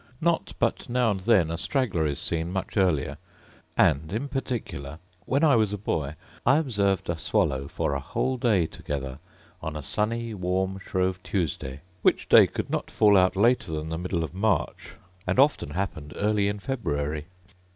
Not but now and then a straggler is seen much earlier: and, in particular, when I was a boy I observed a swallow for a whole day together on a sunny warm Shrove Tuesday; which day could not fall out later than the middle of March, and often happened early in February.